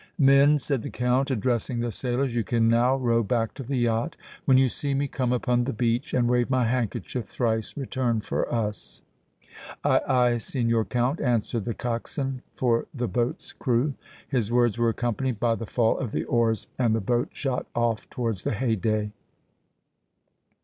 "Men," said the Count, addressing the sailors, "you can now row back to the yacht. When you see me come upon the beach and wave my handkerchief thrice, return for us." "Aye, aye, Signor Count," answered the coxswain for the boat's crew. His words were accompanied by the fall of the oars and the boat shot off towards the Haydée.